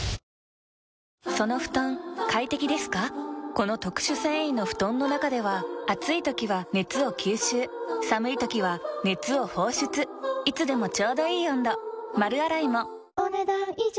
この特殊繊維の布団の中では暑い時は熱を吸収寒い時は熱を放出いつでもちょうどいい温度丸洗いもお、ねだん以上。